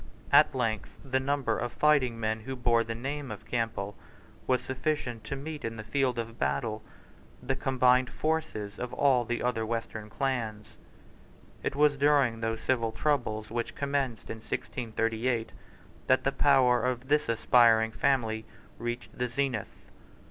At length the number of fighting men who bore the name of Campbell was sufficient to meet in the field of battle the combined forces of all the other western clans, It was during those civil troubles which commenced in 1638 that the power of this aspiring family reached the zenith.